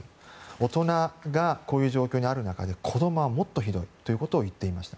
大人がこういう状況にある中で子供はもっとひどいということを言っていました。